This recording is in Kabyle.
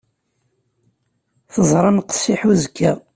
Teẓram qessiḥ uzekka.